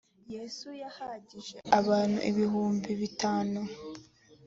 yesu yahagije abantu ibihumbi bitanu .